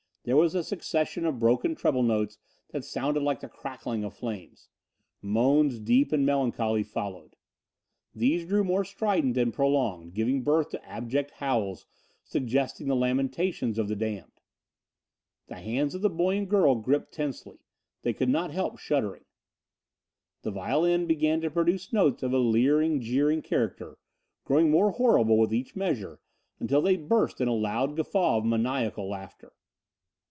There was a succession of broken treble notes that sounded like the crackling of flames. Moans deep and melancholy followed. These grew more strident and prolonged, giving place to abject howls, suggesting the lamentations of the damned. The hands of the boy and girl gripped tensely. They could not help shuddering. The violin began to produce notes of a leering, jeering character, growing more horrible with each measure until they burst in a loud guffaw of maniacal laughter.